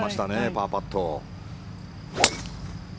パーパット。